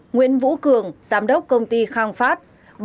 sáu nguyễn vũ cường giám đốc công ty khang phát